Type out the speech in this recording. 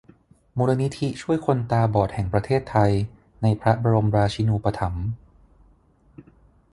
มูลนิธิช่วยคนตาบอดแห่งประเทศไทย ในพระบรมราชินูปถัมภ์